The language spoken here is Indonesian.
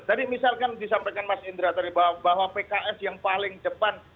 tadi misalkan disampaikan mas indra tadi bahwa pks yang paling depan